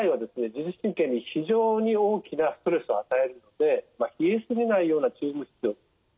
自律神経に非常に大きなストレスを与えるので冷えすぎないような注意も必要です。